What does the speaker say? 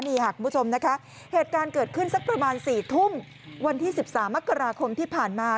นี่ค่ะคุณผู้ชมนะคะเหตุการณ์เกิดขึ้นสักประมาณ๔ทุ่มวันที่๑๓มกราคมที่ผ่านมา